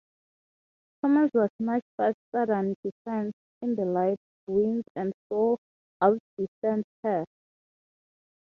"Comus" was much faster than "Defence" in the light winds and so outdistanced her.